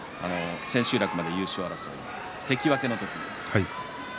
千秋楽まで優勝争い関脇の時に。